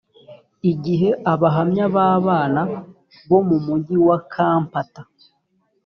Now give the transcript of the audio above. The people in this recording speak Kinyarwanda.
igihe abahamya b abana bo mu mugi wa khampat